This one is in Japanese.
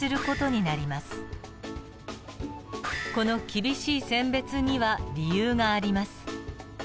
この厳しい選別には理由があります。